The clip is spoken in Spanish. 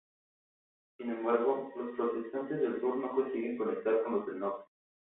Sin embargo, los protestantes del sur no consiguen conectar con los del Norte.